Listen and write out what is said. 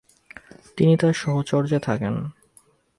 তিনি তার সহচর্যে থাকেন।